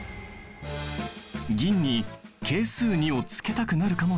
銀に係数２をつけたくなるかもしれない。